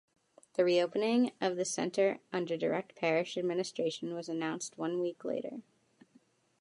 The reopening of the Center under direct parish administration was announced one week later.